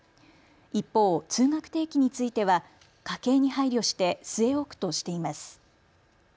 一方、通学定期については家計に配慮して据え置くとしています。